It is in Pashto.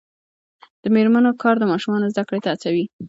د میرمنو کار د ماشومانو زدکړې ته هڅوي.